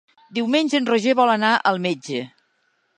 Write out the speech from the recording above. Diumenge en Roger vol anar al metge.